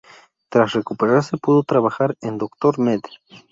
Tras recuperarse pudo trabajar en "Dr. med.